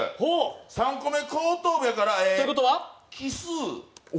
３個目、後頭部やから、奇数。